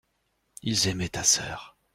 Ils aimaient ta sœur.